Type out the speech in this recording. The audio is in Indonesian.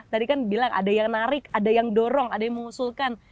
tadi kan bilang ada yang narik ada yang dorong ada yang mengusulkan